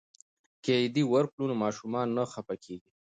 که عیدي ورکړو نو ماشومان نه خفه کیږي.